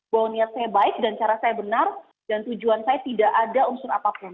bahwa niat saya baik dan cara saya benar dan tujuan saya tidak ada unsur apapun